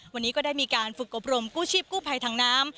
วันนี้ก็ได้มีการฝึกอบรมกู้ชีพกู้ภัยทางน้ำ